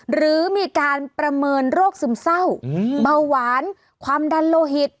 หรือมีการประเมินโรคซึมเศร้าเบาหวานความดันโลหิต